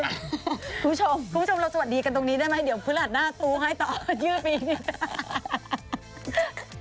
คุณผู้ชมคุณผู้ชมเราสวัสดีกันตรงนี้ได้ไหมเดี๋ยวพฤหัสหน้าตู้ให้ต่อยืดอีก